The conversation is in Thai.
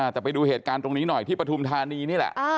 แต่ไปดูเหตุการณ์ตรงนี้หน่อยที่ปฐุมธานีนี่แหละ